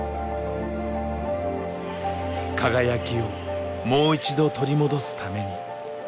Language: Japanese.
輝きをもう一度取り戻すために。